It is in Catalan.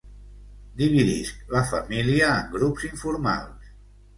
Dividisc la família en grups informals.